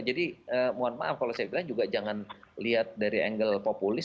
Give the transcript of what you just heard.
jadi mohon maaf kalau saya bilang juga jangan lihat dari angle populis